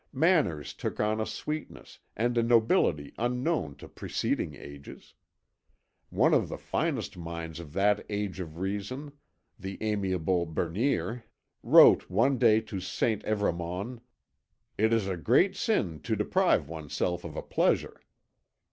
Manners took on a sweetness and a nobility unknown to preceding ages. One of the finest minds of that age of reason, the amiable Bernier, wrote one day to St. Evremond: 'It is a great sin to deprive oneself of a pleasure.'